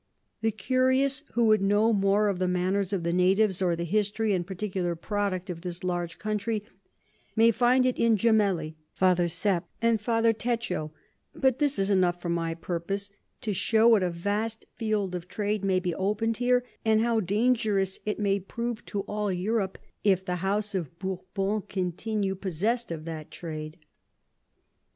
The Curious who would know more of the Manners of the Natives, or the History and particular Product of this large Country, may find it in Gemelli, Father Sepp, and Father Techo, but this is enough for my purpose, to shew what a vast Field of Trade may be open'd here, and how dangerous it may prove to all Europe, if the House of Bourbon continue possess'd of that Trade.